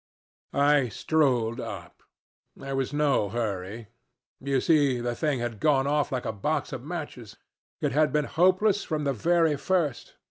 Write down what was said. "I strolled up. There was no hurry. You see the thing had gone off like a box of matches. It had been hopeless from the very first.